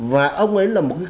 và ông ấy là một cái